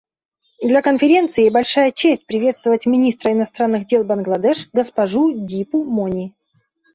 Для Конференции большая честь приветствовать министра иностранных дел Бангладеш госпожу Дипу Мони.